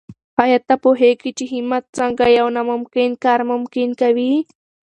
آیا ته پوهېږې چې همت څنګه یو ناممکن کار ممکن کوي؟